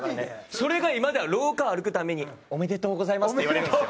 それが、今では廊下、歩くたびに「おめでとうございます」って言われるんですよ。